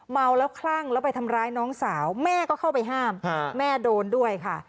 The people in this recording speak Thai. เมาแล้วคลั่งแล้วไปทำร้ายน้องสาวแม่ก็เข้าไปห้ามแม่โดนด้วยค่ะ